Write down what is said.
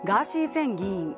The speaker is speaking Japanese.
前議員。